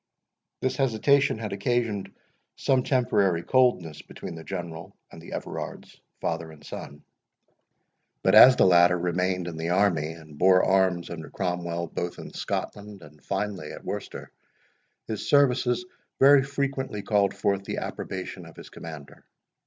This hesitation had occasioned some temporary coldness between the General and the Everards, father and son. But as the latter remained in the army, and bore arms under Cromwell both in Scotland, and finally at Worcester, his services very frequently called forth the approbation of his commander.